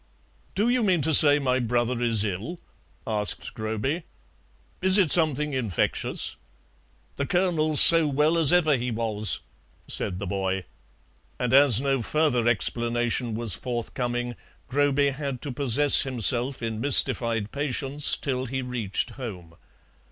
"Do you mean to say my brother is ill?" asked Groby. "Is it something infectious?" "Th' Colonel's so well as ever he was," said the boy; and as no further explanation was forthcoming Groby had to possess himself in mystified patience till he reached home.